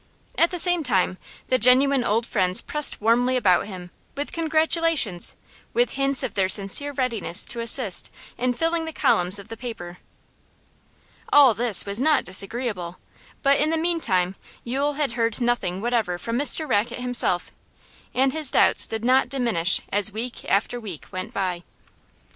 At the same time the genuine old friends pressed warmly about him, with congratulations, with hints of their sincere readiness to assist in filling the columns of the paper. All this was not disagreeable, but in the meantime Yule had heard nothing whatever from Mr Rackett himself and his doubts did not diminish as week after week went by.